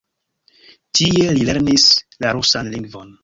Tie li lernis la rusan lingvon.